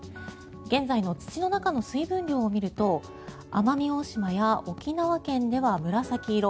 現在の土の中の水分量を見ると奄美大島や沖縄県では紫色